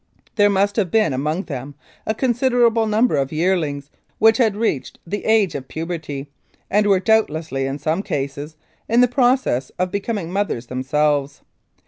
There must have been among them a considerable number of yearlings which had reached the age of puberty, and were, doubtlessly, in some cases, in process of becoming mothers themselves.